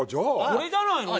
これじゃないの？